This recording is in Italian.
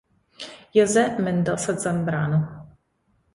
José Mendoza Zambrano